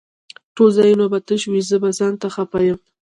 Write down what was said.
ټول ځايونه به تش وي زه به ځانته خپه يم